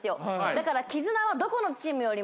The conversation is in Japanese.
だから。